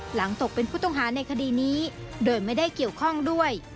ตกเป็นผู้ต้องหาในคดีนี้โดยไม่ได้เกี่ยวข้องด้วย